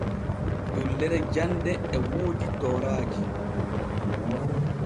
Dullere jande e woodi tooraaji.